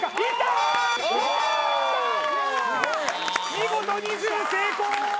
見事２０成功！